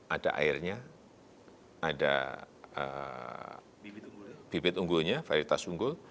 ada airnya ada bibit unggulnya varietas unggul